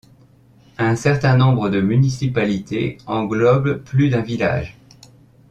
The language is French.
Un certain nombre de municipalités englobent plus d'un village.